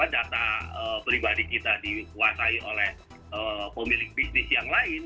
data pribadi kita dikuasai oleh pemilik bisnis yang lain